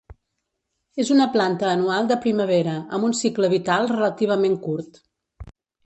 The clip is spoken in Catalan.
És una planta anual de primavera amb un cicle vital relativament curt.